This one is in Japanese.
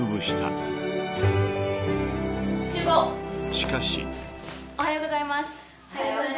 ［しかし］おはようございます。